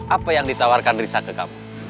apa yang ditawarkan risa ke kamu